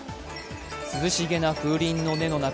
涼しげな風鈴の音の中